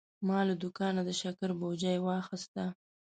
ما له دوکانه د شکر بوجي واخیسته.